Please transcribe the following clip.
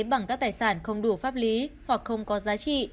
bằng các tài sản không đủ pháp lý hoặc không có giá trị